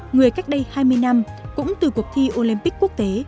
người cách đây hai mươi năm cũng từ cuộc thi olympic quốc tế